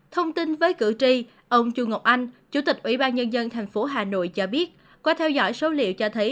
thông tin với cử tri ông chu ngọc anh chủ tịch ủy ban nhân dân tp hà nội cho biết qua theo dõi số liệu cho thấy